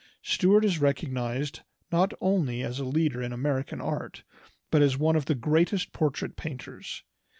Stuart is recognized not only as a leader in American art, but as one of the greatest portrait painters.